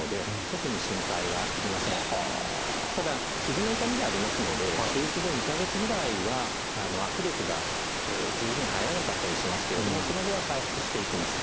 ただ傷の痛みがありますので手術後２か月ぐらいは握力が十分入らなかったりしますけれどもその後は回復していきます。